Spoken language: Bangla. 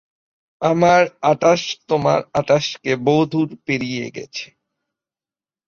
আমার আটাশ তোমার আটাশকে বহুদূরে পেরিয়ে গেছে।